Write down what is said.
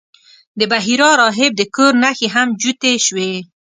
د بحیرا راهب د کور نښې هم جوتې شوې.